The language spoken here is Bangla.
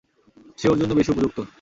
সে ওর জন্য বেশি উপযুক্ত!